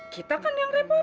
kita kan yang repot